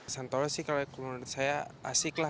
santolo sih kalau menurut saya asik lah